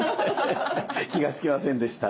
気が付きませんでした。